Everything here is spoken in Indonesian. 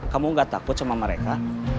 kamu gak takut sama mereka